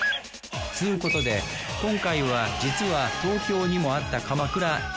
つうことで今回は実は東京にもあった鎌倉。